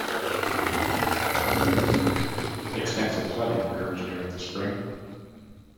Extensive flooding occurs during the spring.